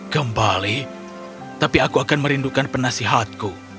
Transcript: kembali tapi aku akan merindukan penasihatku